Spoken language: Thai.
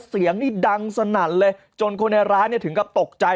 เสียงนี่ดังสนั่นเลยจนคนในร้านเนี่ยถึงกับตกใจ